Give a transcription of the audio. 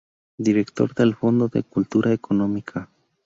Director del Fondo de Cultura Económica.